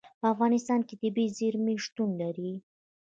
په افغانستان کې طبیعي زیرمې شتون لري.